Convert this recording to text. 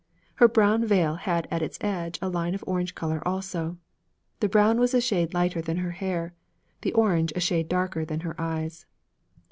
Her brown veil had at its edge a line of orange color also. The brown was a shade lighter than her hair; the orange a shade darker than her eyes.